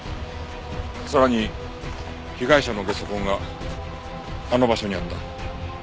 さらに被害者のゲソ痕があの場所にあった。